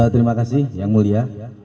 terima kasih yang mulia